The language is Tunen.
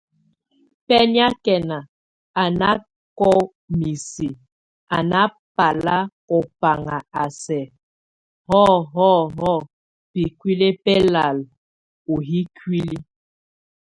Béniakɛn, a nákʼ o misi, a nábal óbaŋ a sɛk hɔ́ hɔ́ hɔ́ bíkúli belal o yʼ íkuli.